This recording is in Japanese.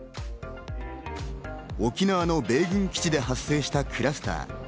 沖縄の米軍基地で発生したクラスター。